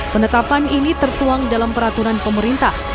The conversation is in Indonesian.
penetapan ini tertuang dalam peraturan pemerintah